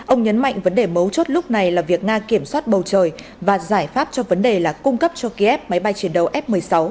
ông nhấn mạnh vấn đề mấu chốt lúc này là việc nga kiểm soát bầu trời và giải pháp cho vấn đề là cung cấp cho kiev máy bay chiến đấu f một mươi sáu